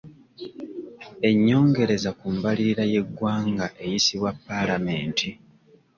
Ennyongereza ku mbalirira y'eggwanga eyisibwa paalamenti.